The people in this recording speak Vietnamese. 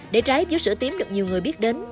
để trái chiếu sữa tím được nhiều người biết đến